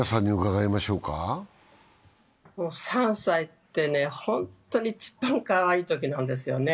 ３歳ってね、本当に一番かわいいときなんですよね。